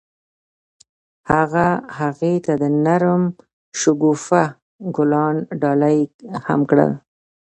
هغه هغې ته د نرم شګوفه ګلان ډالۍ هم کړل.